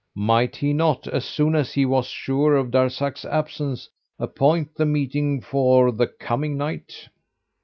Might he not, as soon as he was sure of Darzac's absence, appoint the meeting for 'the coming night?"